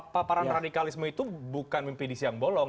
paparan radikalisme itu bukan mimpi di siang bolong